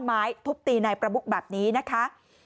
ไม้ทุบตีนายประมุกแบบนี้นะคะ